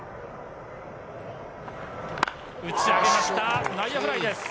打ち上げました、内野フライです。